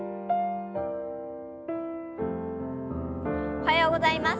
おはようございます。